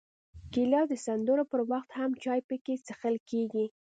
ګیلاس د سندرو پر وخت هم چای پکې څښل کېږي.